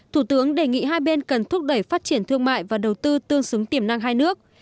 thủ tướng đề nghị hai bên cần thúc đẩy phát triển thương mại và đầu tư tương xứng tiềm năng hai nước